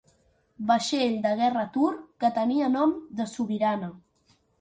Vaixell de guerra turc que tenia nom de sobirana.